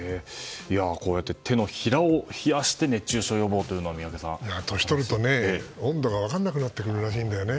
こうやって手のひらを冷やして熱中症予防というのは年を取ると温度が分からなくなってくるんだよね。